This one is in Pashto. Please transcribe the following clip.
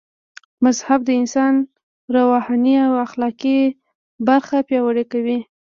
مذهب د انسان روحاني او اخلاقي برخه پياوړي کوي